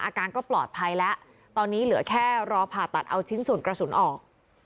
อาการก็ปลอดภัยแล้วตอนนี้เหลือแค่รอผ่าตัดเอาชิ้นส่วนกระสุนออก